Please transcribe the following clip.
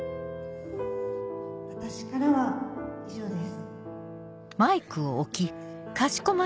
私からは以上です。